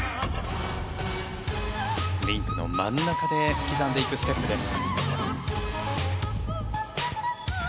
リンクの真ん中で刻んでいくステップです。